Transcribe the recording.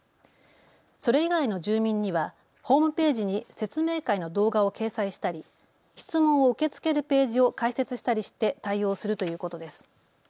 それ以外の住民にはホームページに説明会の動画を掲載したり質問を受け付けるページを開設したりして対応するということです。